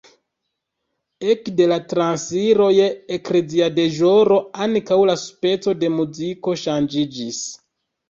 Ekde la transiro je ekleziadeĵoro ankaŭ la speco de muziko ŝanĝiĝis.